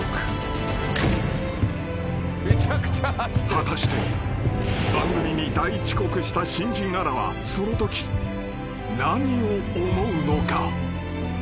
［果たして番組に大遅刻した新人アナはそのとき何を思うのか？］